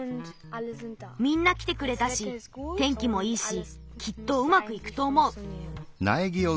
みんなきてくれたし天気もいいしきっとうまくいくとおもう。